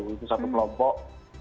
itu satu kelompok